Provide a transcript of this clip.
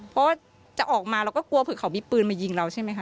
เพราะว่าจะออกมาเราก็กลัวเผื่อเขามีปืนมายิงเราใช่ไหมคะ